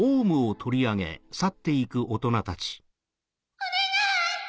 お願い！